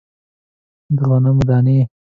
د غنمو دانې